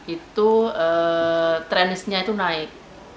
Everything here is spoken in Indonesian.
itu trenisnya itu naik